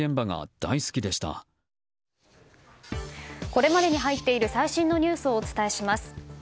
これまでに入っている最新のニュースをお伝えします。